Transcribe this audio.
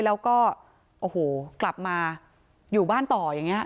แล้วก็กลับมาอยู่บ้านต่อยังงี้